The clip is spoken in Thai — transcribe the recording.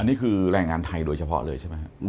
นี่คือแรงงานไทยโดยเฉพาะเลยใช่ไหมครับ